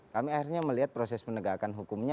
kami akhirnya melihat proses penegakan hukumnya